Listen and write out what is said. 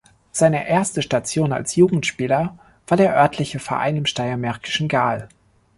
Seine erste Station als Jugendspieler war der örtliche Verein im steiermärkischen Gaal.